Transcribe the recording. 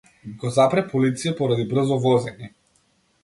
Го запре полиција поради брзо возење.